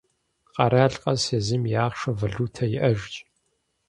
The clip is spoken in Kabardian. Къэрал къэс езым и ахъшэ – валютэ иӏэжщ.